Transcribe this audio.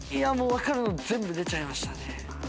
分かるの全部出ましたね。